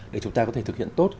để chúng ta có thể thực hiện tốt